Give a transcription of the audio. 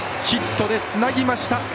ヒットでつなぎました。